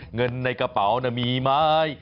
เงินในกระเป๋ามีไหม